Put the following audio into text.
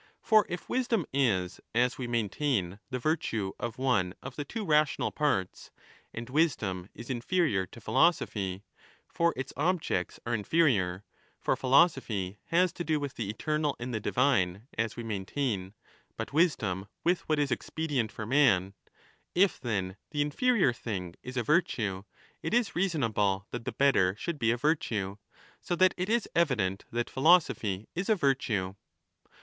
For if 5 wisdom is, as we maintain, the virtue of one of the two rational parts, and wisdom is inferior to philosophy (for its objects are inferior ; for philosophy has to do with the eternal and the divine, as we maintain, but wisdom with what is expedient for man), if, then, the inferior thing is 10 a virtue, it is reasonable that the better should be a virtue, so that it is evident that philosophy is a virtue.